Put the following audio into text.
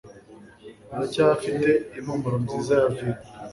biracyafite impumuro nziza ya vino